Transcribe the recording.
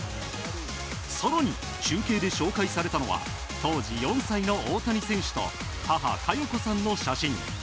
更に中継で紹介されたのは当時４歳の大谷選手と母・加代子さんの写真。